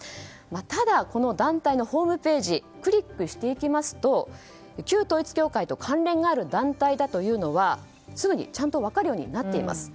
ただ、この団体のホームページクリックしていきますと旧統一教会と関連がある団体だというのはすぐにちゃんと分かるようになっています。